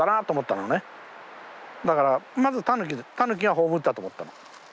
だからまずタヌキタヌキが葬ったと思ったの。